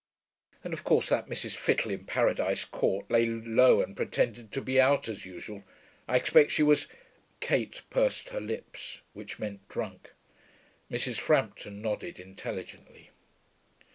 'And of course that Mrs. Fittle, in Paradise Court, lay low and pretended to be out, as usual. I expect she was ' Kate pursed her lips, which meant drunk. Mrs. Frampton nodded intelligently.